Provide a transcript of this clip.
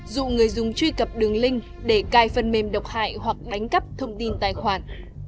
dụ người dùng truy cập đường link để cai phần mềm độc hại hoặc đánh cắp thông tin tài khoản